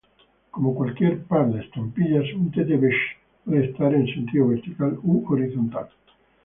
Como cualquier par de estampillas, un "tête-bêche" puede estar en sentido vertical u horizontal.